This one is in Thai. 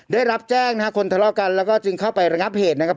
ได้รับแจ้งนะฮะคนทะเลาะกันแล้วก็จึงเข้าไประงับเหตุนะครับ